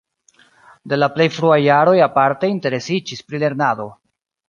De la plej fruaj jaroj aparte interesiĝis pri lernado.